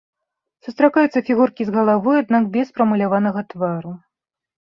Сустракаюцца фігуркі з галавой, аднак без прамаляванага твару.